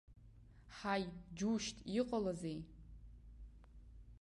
Ҳаи, џьушьт, иҟалазеи?